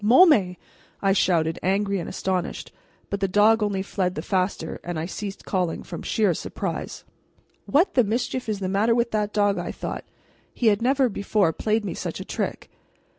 "Môme!" I shouted, angry and astonished; but the dog only fled the faster, and I ceased calling from sheer surprise. "What the mischief is the matter with that dog!" I thought. He had never before played me such a trick.